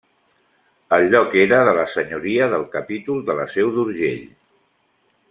El lloc era de la senyoria del capítol de la Seu d'Urgell.